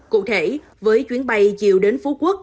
cụ thể với chuyến bay chiều đến phú quốc